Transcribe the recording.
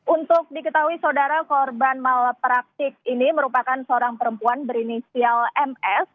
untuk diketahui saudara korban malapraktik ini merupakan seorang perempuan berinisial ms